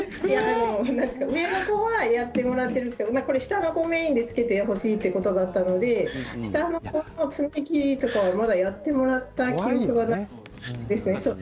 上の子はやってもらっているけれど下の子メインでつけてほしいということだったので下の子の爪切りをやってもらったことはないんですよね。